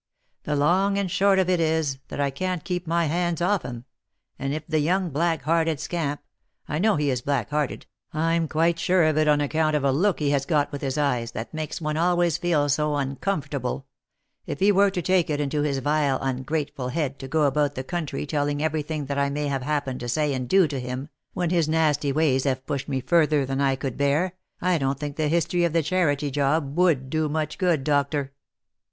The long and the short of it is, that I can't keep my hands off him, and if the young black hearted scamp — I know he is black hearted, I'm quite sure of it on account of a look he has got with his eyes, that makes one always feel so uncomfortable — if he were to take it into his vile ungrateful head to go about the country teliing every thing that I may have happened to say and do to him, when his nasty ways have pushed me further than I could bear, I don't think the history of the charity job would do much good, doctor."